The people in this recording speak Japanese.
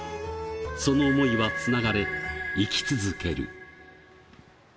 その思いはつながれ、生き続ける。